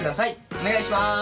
お願いします。